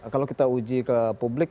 kalau kita uji ke publik